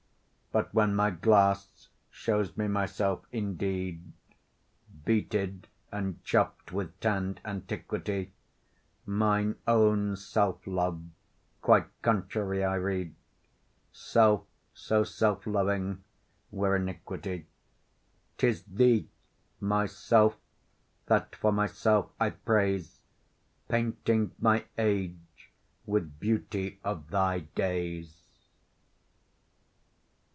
But when my glass shows me myself indeed Beated and chopp'd with tanned antiquity, Mine own self love quite contrary I read; Self so self loving were iniquity. 'Tis thee, myself, that for myself I praise, Painting my age with beauty of thy days.